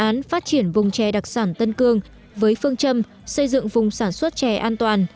đề án phát triển vùng chè đặc sản tân cương với phương châm xây dựng vùng sản xuất chè an toàn